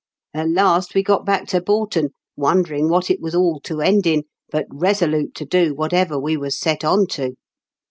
At last we got back to Boughton, wondering what it was all to end in, but resolute to do whatever we was set on to.